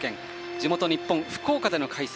地元・日本福岡での開催。